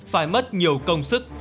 phải mất nhiều công sức